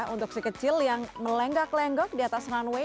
untuk si kecil yang melenggak lenggok di atas runway